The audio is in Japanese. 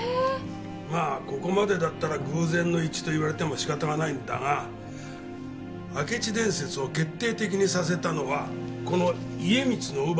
まあここまでだったら偶然の一致と言われても仕方がないんだが明智伝説を決定的にさせたのはこの家光の乳母の春日局だ。